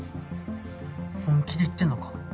本気で言ってんのか？